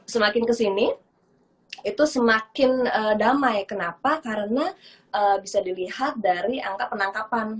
semakin kesini itu semakin damai kenapa karena bisa dilihat dari angka penangkapan